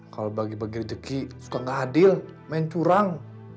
kalau bagi bagi rezeki suka gak adil main curang